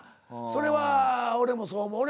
それは俺もそう思う。